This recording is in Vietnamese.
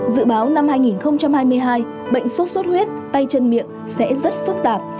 dự báo năm hai nghìn hai mươi hai bệnh suốt suốt huyết tay chân miệng sẽ rất phức tạp